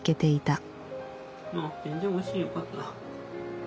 あっ全然おいしいよかった。